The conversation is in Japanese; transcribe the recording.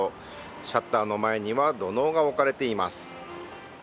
シャッターの前には土のうが置かれています。